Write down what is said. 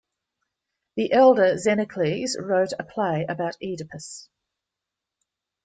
The elder Xenocles wrote a play about Oedipus.